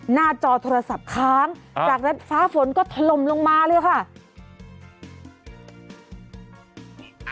หน้าจอโทรศัพท์ค้างฮะจากนั้นฟ้าฝนก็ถล่มลงมาเลยหรือเปล่าค่ะ